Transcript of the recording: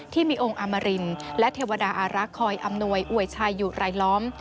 ที่มีองค์อมรินและเทวดาอารักษ์คอยอำนวยอวยชายอยู่รายล้อม